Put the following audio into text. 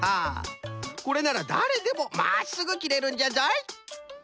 これならだれでもまっすぐ切れるんじゃぞい。